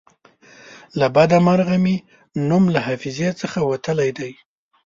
له بده مرغه مې نوم له حافظې څخه وتلی دی.